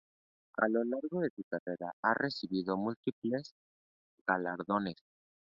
A lo largo de su carrera ha recibido múltiples galardones.